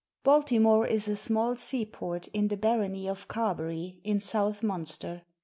[Baltimore is a small seaport in the barony of Carbery, in South Munster.